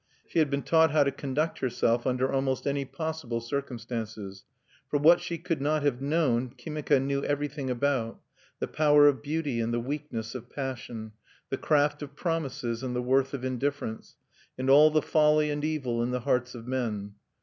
She had been taught how to conduct herself under almost any possible circumstances; for what she could not have known Kimika knew everything about: the power of beauty, and the weakness of passion; the craft of promises and the worth of indifference; and all the folly and evil in the hearts of men.